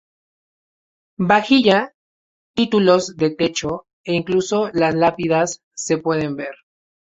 Vajilla, títulos de techo e incluso las lápidas se pueden ver.